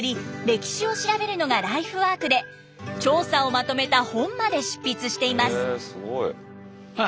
歴史を調べるのがライフワークで調査をまとめた本まで執筆しています。